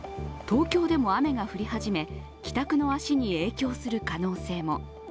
東京でも雨が降り始め、帰宅の足に影響する可能性も。